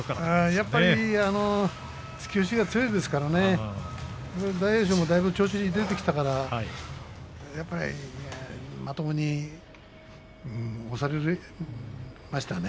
やっぱり突き押しが強いですからね大栄翔もだいぶ調子が出てきたからまともに押されましたね。